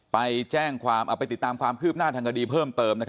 ไปติดตามความคลืบหน้าทางกดีเพิ่มเติม